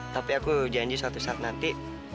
tapi aku janji suatu saat nanti